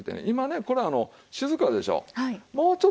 今ねこれ静かでしょう。